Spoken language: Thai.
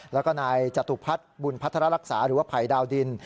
แล้วก็นายจตุพัฒน์บุญพัฒนารักษาหรือว่าภัยดาวดิน